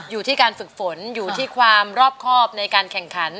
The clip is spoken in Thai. อยู่ที่การฝึกฝนอยู่ที่ความรอบครอบในการแข่งขัน